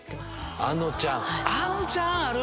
あのちゃんある！